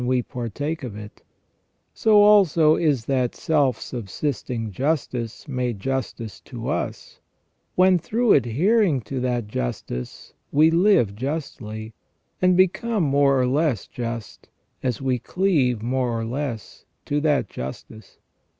we partake of it; so also is that self subsisting justice made justice to us when, through adhering to that justice, we live justly, and become more or less just, as we cleave more or less to that justice.